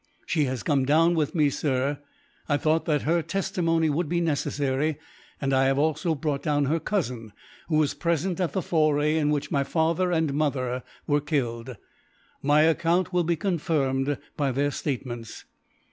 "She has come down with me, sir. I thought that her testimony would be necessary; and I have also brought down her cousin, who was present at the foray in which my father and mother were killed. My account will be confirmed by their statements."